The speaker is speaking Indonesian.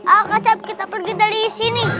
ayo kasep kita pergi dari sini